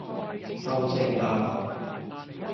收聲啦